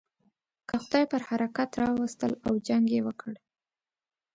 که خدای پر حرکت را وستل او جنګ یې وکړ.